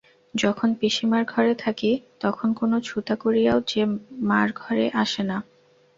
যখন পিসিমার ঘরে থাকি তখন কোনো ছুতা করিয়াও যে মার ঘরে আসে না।